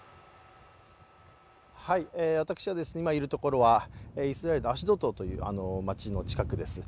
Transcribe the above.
私が今いるところはイスラエルのアシュドドというところです